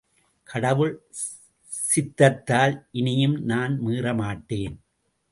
கடவுள் சித்தத்தால் இனியும் நான் மீற மாட்டேன்.